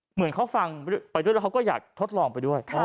เหมือนเขาฟังไปด้วยแล้วเขาก็อยากทดลองไปด้วย